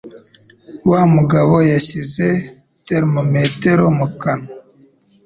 Wa mugabo yashyize termometero mu kanwa.